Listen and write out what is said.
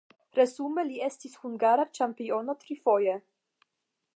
Resume li estis hungara ĉampiono trifoje.